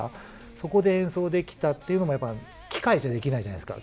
そこで演奏できたっていうのも機械じゃできないじゃないですか。